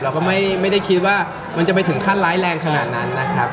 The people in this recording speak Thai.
เราก็ไม่ได้คิดว่ามันจะไปถึงขั้นร้ายแรงขนาดนั้นนะครับ